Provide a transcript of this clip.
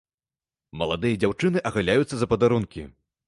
Маладыя дзяўчыны агаляюцца за падарункі.